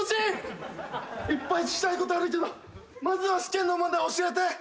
いっぱい聞きたいことあるけどまずは試験の問題教えて！